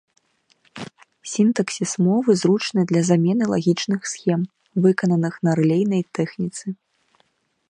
Сінтаксіс мовы зручны для замены лагічных схем, выкананых на рэлейнай тэхніцы.